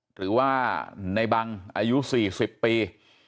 หรือว่าในบางอายุสี่สิบปี